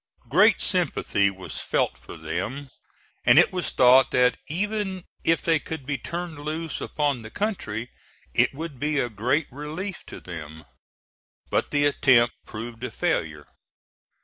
Great sympathy was felt for them; and it was thought that even if they could be turned loose upon the country it would be a great relief to them. But the attempt proved a failure.